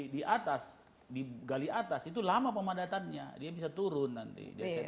di atas di gali atas itu lama pemadatannya dia bisa turun nanti desember